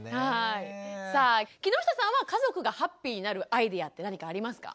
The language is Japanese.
さあ木下さんは家族がハッピーになるアイデアって何かありますか？